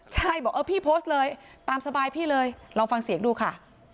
ใช่บอกเออพี่โพสต์เลยตามสบายพี่เลยลองฟังเสียงดูค่ะ